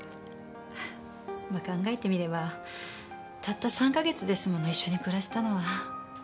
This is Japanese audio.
まあ考えてみればたった３カ月ですもの一緒に暮らしたのは。